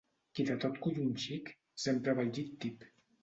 Qui de tot cull un xic, sempre va al llit tip.